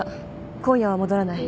今夜は戻らない。